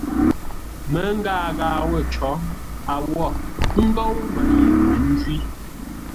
Məngaa ghâa wə̂ cǒ, a wo ńgóu mə́ ye ńjwí!